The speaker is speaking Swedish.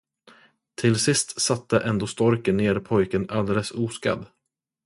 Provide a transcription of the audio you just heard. Till sist satte ändå storken ner pojken alldeles oskadd.